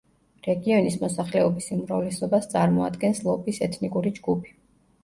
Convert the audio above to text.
რეგიონის მოსახლეობის უმრავლესობას წარმოადგენს ლობის ეთნიკური ჯგუფი.